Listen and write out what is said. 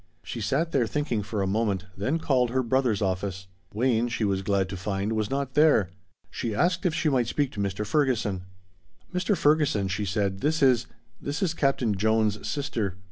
She sat there thinking for a moment, then called her brother's office. Wayne, she was glad to find, was not there. She asked if she might speak to Mr. Ferguson. "Mr. Ferguson," she said, "this is this is Captain Jones' sister.